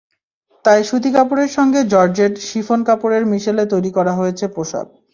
তাই সুতি কাপড়ের সঙ্গে জর্জেট, শিফন কাপড়ের মিশেলে তৈরি করা হয়েছে পোশাক।